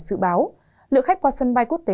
sử báo lượng khách qua sân bay quốc tế